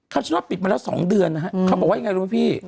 คำชโนธปิดมาแล้วสองเดือนนะฮะเขาบอกว่าไงรู้ไหมพี่